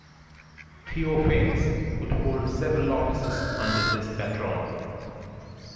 Theophanes would hold several offices under this patron.